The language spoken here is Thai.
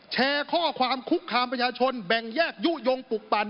แชร์ข้อความคุกคามประชาชนแบ่งแยกยุโยงปลุกปั่น